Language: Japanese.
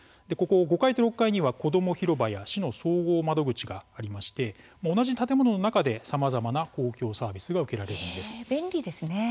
５階と６階にはこども広場や市の総合窓口がありまして同じ建物の中でさまざまな公共サービスが便利ですね。